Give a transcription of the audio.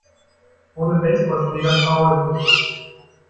Ohne Baseballschläger traue ich mich nicht.